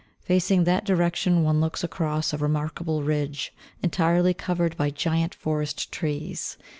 Facing that direction one looks across a remarkable ridge, entirely covered by giant forest trees.